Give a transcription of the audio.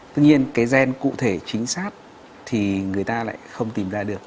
tuy nhiên cái gen cụ thể chính xác thì người ta lại không tìm ra được